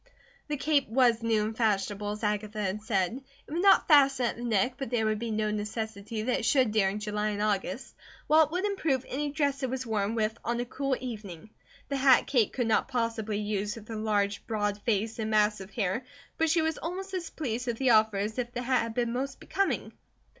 The cape was new and fashionable as Agatha had said; it would not fasten at the neck, but there would be no necessity that it should during July and August, while it would improve any dress it was worn with on a cool evening. The hat Kate could not possibly use with her large, broad face and mass of hair, but she was almost as pleased with the offer as if the hat had been most becoming.